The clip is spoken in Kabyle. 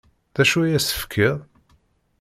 D acu ay as-tefkiḍ?